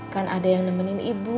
kan ada yang nemenin ibu